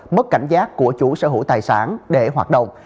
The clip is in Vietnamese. mất cảnh giác của chủ sở hữu tài sản để hoạt động